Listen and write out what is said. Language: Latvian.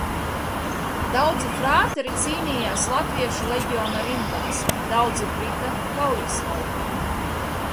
Daudzi frāteri cīnījās Latviešu leģiona rindās, daudzi krita kaujas laukā.